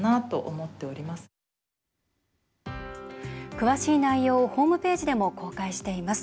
詳しい内容をホームページでも公開しています。